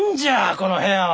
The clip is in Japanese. この部屋は！